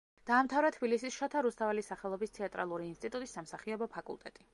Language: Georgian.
დაამთავრა თბილისის შოთა რუსთაველის სახელობის თეატრალური ინსტიტუტის სამსახიობო ფაკულტეტი.